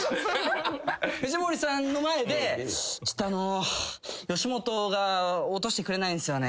藤森さんの前で「ちょっとあのう。吉本が落としてくれないんですよね